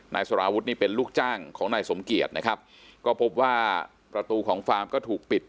นายสารวุฒินี่เป็นลูกจ้างของนายสมเกียจนะครับก็พบว่าประตูของฟาร์มก็ถูกปิด